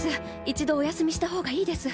一度お休みしたほうがいいです。